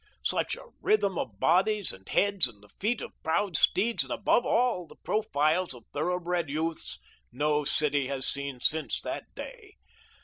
Such a rhythm of bodies and heads and the feet of proud steeds, and above all the profiles of thoroughbred youths, no city has seen since that day.